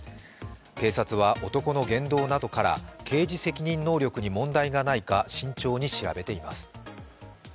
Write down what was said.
警察は男の言動などから刑事責任能力に問題がないか慎重に調べています。